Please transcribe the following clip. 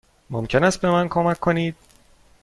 ممکن است به من کمک کنید؟